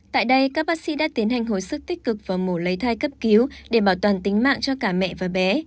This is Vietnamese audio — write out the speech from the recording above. tại đây các bác sĩ đã tiến hành hồi sức tích cực và mổ lấy thai cấp cứu để bảo toàn tính mạng cho cả mẹ và bé